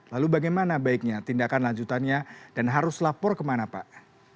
lalu bagaimana baiknya tindakan lanjutannya dan harus lapor kemana pak